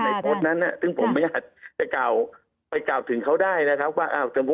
โพสต์นั้นซึ่งผมไม่อยากจะกล่าวไปกล่าวถึงเขาได้นะครับว่า